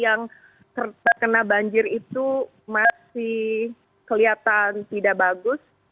yang terkena banjir itu masih kelihatan tidak bagus